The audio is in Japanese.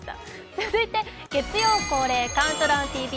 続いて月曜恒例「ＣＤＴＶ」